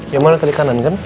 yang mana kiri kanan kan